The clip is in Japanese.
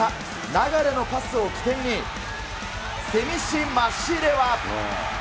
流のパスを起点に、セミシ・マシレワ。